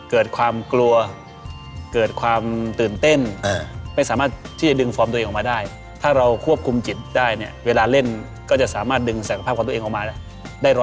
เกิดความกลัวเกิดความตื่นเต้นไม่สามารถที่จะดึงฟอร์มตัวเองออกมาได้ถ้าเราควบคุมจิตได้เนี่ยเวลาเล่นก็จะสามารถดึงศักยภาพของตัวเองออกมาได้๑๐๐